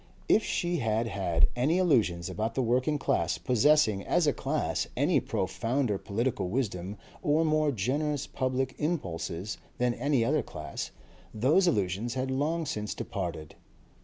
If she had had any illusions about the working class possessing as a class any profounder political wisdom or more generous public impulses than any other class, those illusions had long since departed.